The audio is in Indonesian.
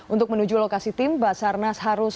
untuk menuju lokasi tim basarnas harus